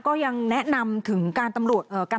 คิดว่าไม่นานคงจับตัวได้แล้วก็จะต้องเค้นไปถามตำรวจที่เกี่ยวข้อง